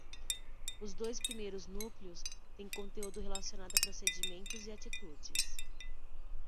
Os dois primeiros núcleos têm conteúdo relacionado a procedimentos e atitudes.